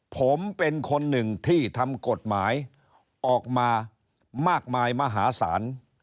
ผมเป็นคนหนึ่งที่ทำกฎหมายออกมามากมายมหาศาล